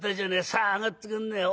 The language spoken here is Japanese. さあ上がってくんねえ。